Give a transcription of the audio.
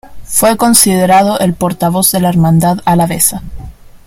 Fue considerado el portavoz de la Hermandad Alavesa.